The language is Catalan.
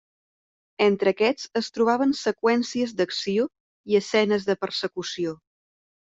Entre aquests es trobaven seqüències d'acció i escenes de persecució.